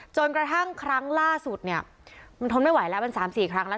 จนกระทั่งครั้งล่าสุดเนี่ยมันทนไม่ไหวแล้วมัน๓๔ครั้งแล้ว